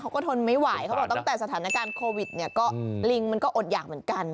ทนไม่ไหวเขาบอกตั้งแต่สถานการณ์โควิดเนี่ยก็ลิงมันก็อดหยากเหมือนกัน